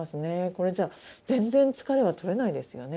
これじゃ全然疲れは取れないですよね